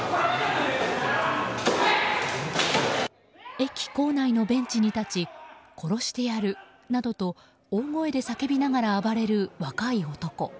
駅構内のベンチに立ち殺してやるなどと大声で叫びながら暴れる若い男。